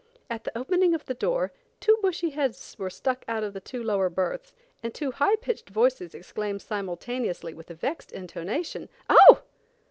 At the opening of the door, two bushy heads were stuck out of the two lower berths, and two high pitched voices exclaimed simultaneously with a vexed intonation, "Oh!"